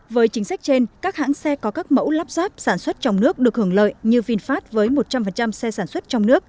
với chính sách trên các hãng xe có các mẫu lắp ráp sản xuất trong nước được hưởng lợi như vinfast với một trăm linh xe sản xuất trong nước